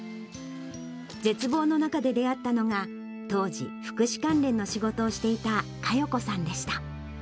絶望の中で出会ったのが、当時、福祉関連の仕事をしていた加代子さんでした。